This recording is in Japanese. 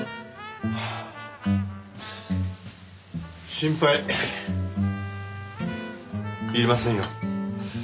心配いりませんよ。